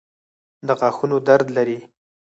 د غاښونو درد لرئ؟